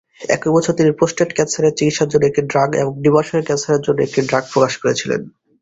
একই বছর, তিনি প্রোস্টেট ক্যান্সারের চিকিৎসার জন্য একটি ড্রাগ এবং ডিম্বাশয়ের ক্যান্সারের জন্য একটি ড্রাগ প্রকাশ করেছিলেন।